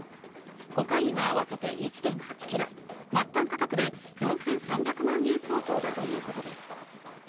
コカインは合わせて１．８ｋｇ、末端価格で４３００万円相当だということです。